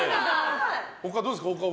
他、どうですか？